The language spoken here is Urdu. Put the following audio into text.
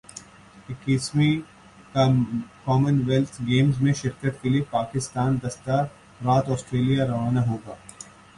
اکیسویں کا من ویلتھ گیمز میں شرکت کے لئے پاکستانی دستہ رات سٹریلیا روانہ ہو گا